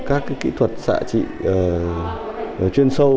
các kỹ thuật xạ trị chuyên sâu